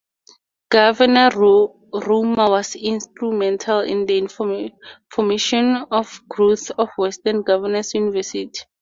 Governor Romer was instrumental in the formation and growth of Western Governors University.